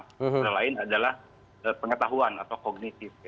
yang lain adalah pengetahuan atau kognitif